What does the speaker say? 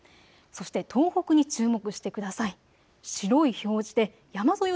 そして東北に注目してください。